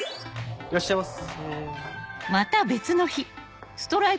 いらっしゃいませ。